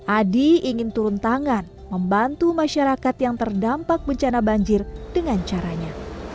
adi ingin turun tangan membantu masyarakat yang terdampak bencana banjir dengan caranya